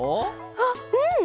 あっうん！